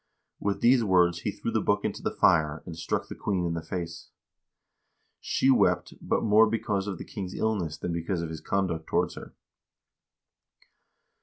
With these words he threw the book into the fire, and struck the queen in the face. She wept, but more be cause of the king's illness than because of his conduct towards her.